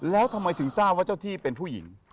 แล้วทำไมถึงทราบว่าเจ้าที่เป็นผู้หญิง